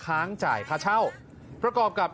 ค้างจ่ายค่าเช่าประกอบกับ